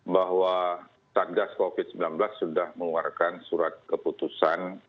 bahwa satgas covid sembilan belas sudah mengeluarkan surat keputusan